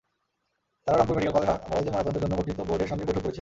তাঁরা রংপুর মেডিকেল কলেজে ময়নাতদন্তের জন্য গঠিত বোর্ডের সঙ্গে বৈঠক করেছেন।